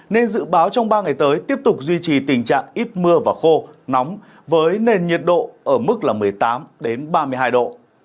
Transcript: nên dự báo trong ba ngày tới tiếp tục duy trì tình trạng ít mưa và khô nóng với nền nhiệt độ ở mức một mươi tám ba mươi hai độ